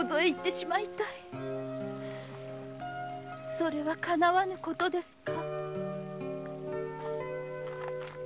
それはかなわぬ事ですか？